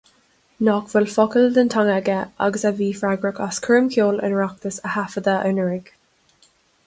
Nach bhfuil focal den teanga aige agus a bhí freagrach as coirmcheoil an Oireachtais a thaifeadadh anuraidh.